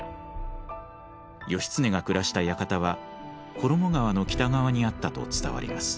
義経が暮らした館は衣川の北側にあったと伝わります。